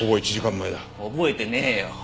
覚えてねえよ。